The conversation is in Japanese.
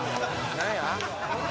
何や？